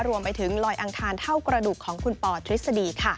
รวมไปถึงลอยอังคารเท่ากระดูกของคุณปอทฤษฎี